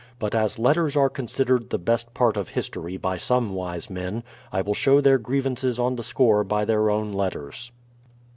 But as letters are considered the best part of history by some wise men, I will show their grievances on the score by their own letters.